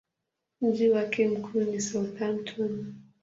Mji wake mkuu ni Southampton.